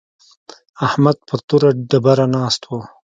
احمد پر توره ډبره ناست و.